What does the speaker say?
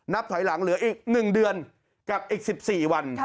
ถอยหลังเหลืออีก๑เดือนกับอีก๑๔วัน